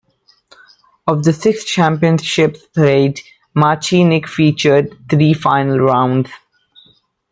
Of the six championships played, Martinique featured three final rounds.